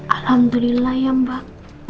alhamdulillah ya mbak